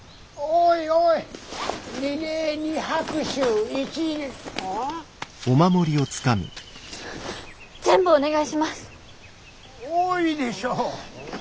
多いでしょ。